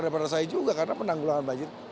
daripada saya juga karena penanggulangan banjir